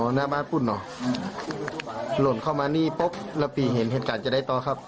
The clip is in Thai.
หน้าบ้านคุณเหรอหล่นเข้ามานี่ปุ๊บแล้วปีเห็นเหตุการณ์จะได้ต่อครับ